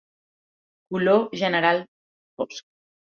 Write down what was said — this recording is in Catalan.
Color general fosc.